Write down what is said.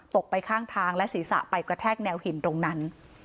ไปข้างทางและศีรษะไปกระแทกแนวหินตรงนั้น